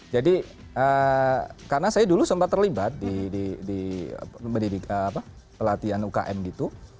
jadi karena saya dulu sempat terlibat di pelatihan ukm gitu